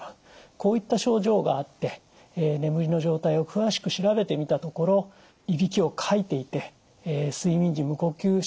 こういった症状があって眠りの状態を詳しく調べてみたところいびきをかいていて睡眠時無呼吸症候群というふうに呼ばれることが多いです